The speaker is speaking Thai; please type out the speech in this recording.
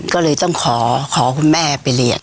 ก็เลยต้องขอคุณแม่ไปเรียน